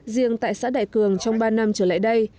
riêng tại xã đại cường trong ba năm trở lại đây